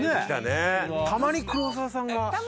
たまに黒沢さんが。